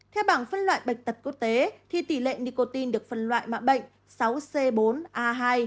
theo bảng phân loại bệnh tật quốc tế thì tỷ lệ nicotin được phân loại mã bệnh sáu c bốn a hai